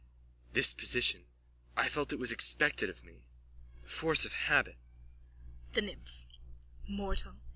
_ This position. I felt it was expected of me. Force of habit. THE NYMPH: Mortal!